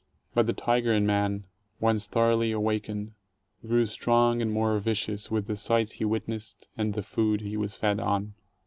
But the tiger in man, once thoroughly awak ened, grew strong and more vicious with the sights he witnessed and the food he was fed on.